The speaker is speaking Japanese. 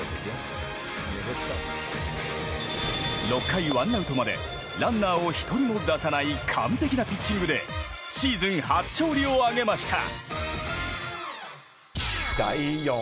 ６回ワンアウトまでランナーを１人も出さない完璧なピッチングでシーズン初勝利を挙げました。